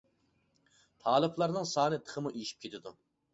تالىپلارنىڭ سانى تېخىمۇ ئېشىپ كېتىدۇ.